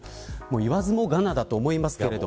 言わずもがなと思いますけど。